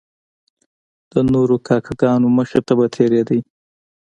د نورو کاکه ګانو مخې ته به تیریدی.